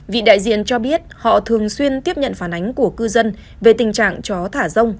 vị đại diện cho biết họ thường xuyên tiếp nhận phản ánh của cư dân về tình trạng chó thả rông